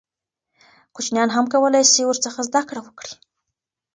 کوچنیان هم کولای سي ورڅخه زده کړه وکړي.